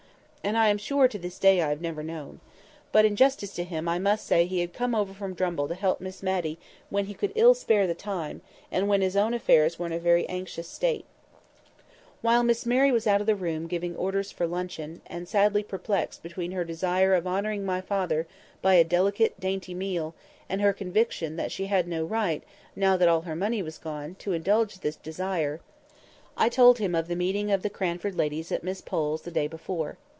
And I am sure to this day I have never known. But, in justice to him, I must say he had come over from Drumble to help Miss Matty when he could ill spare the time, and when his own affairs were in a very anxious state. [Picture: Miss Matty and I sat assenting to accounts] While Miss Matty was out of the room giving orders for luncheon—and sadly perplexed between her desire of honouring my father by a delicate, dainty meal, and her conviction that she had no right, now that all her money was gone, to indulge this desire—I told him of the meeting of the Cranford ladies at Miss Pole's the day before.